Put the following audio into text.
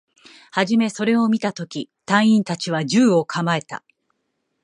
はじめそれを見たとき、隊員達は銃を構えた